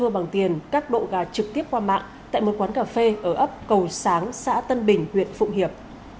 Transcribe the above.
bằng tiền các độ gà trực tiếp qua mạng tại một quán cà phê ở ấp cầu sáng xã tân bình huyện phụng hiệp